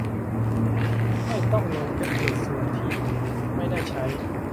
ไม่ต้องลงแพคเกจส่วนที่ไม่ได้ใช้